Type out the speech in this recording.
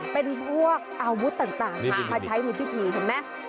เป็นพวกอาวุธต่างมาใช้ในพิธีเห็นไหม